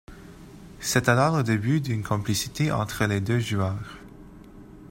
C'est alors le début d'une complicité entre les deux joueurs.